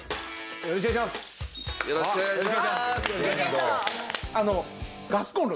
よろしくお願いします。